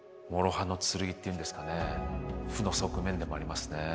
負の側面でもありますね。